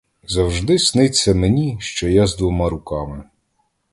Завжди сниться мені, що я з двома руками.